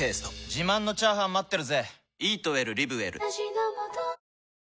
自慢のチャーハン待ってるぜ！